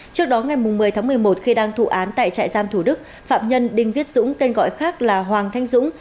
trước đó ngày một mươi tháng một mươi một khi đang thụ án tại trại giam thủ đức phạm nhân đinh viết dũng tên gọi khác là hoàng thanh dũng